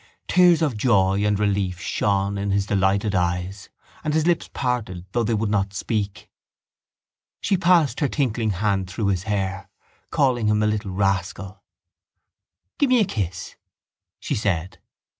Tears of joy and relief shone in his delighted eyes and his lips parted though they would not speak. She passed her tinkling hand through his hair, calling him a little rascal. —Give me a kiss, she said.